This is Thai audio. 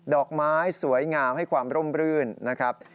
ดอกไม้สวยงามให้ความร่มรื่นนะครับ